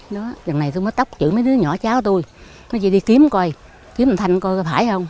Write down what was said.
dần này tôi mới tóc chữ mấy đứa nhỏ cháu tôi nói gì đi kiếm coi kiếm bằng thanh coi coi phải không